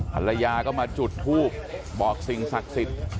ภรรยาก็มาจุดทูบบอกสิ่งศักดิ์สิทธิ์